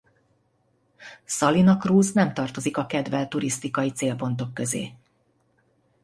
Salina Cruz nem tartozik a kedvelt turisztikai célpontok közé.